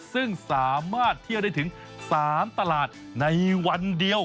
ซึ่งสามารถเที่ยวได้ถึง๓ตลาดในวันเดียว